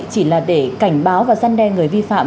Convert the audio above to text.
chỉ là để cảnh báo và giăn đe người vi phạm